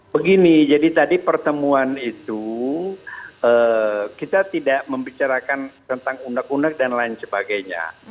begini jadi tadi pertemuan itu kita tidak membicarakan tentang unek unek dan lain sebagainya